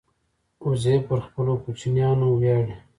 وزې پر خپلو کوچنیانو ویاړي